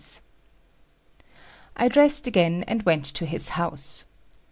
] I dressed again and went to his house.